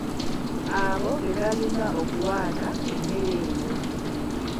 Abo be balina okuwaata emmere eyo.